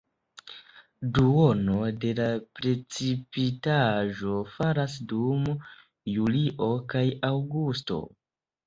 Duono de la precipitaĵo falas dum julio kaj aŭgusto.